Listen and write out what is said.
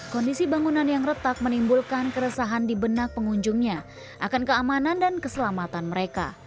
kondisi bangunan yang retak menimbulkan keresahan di benak pengunjungnya akan keamanan dan keselamatan mereka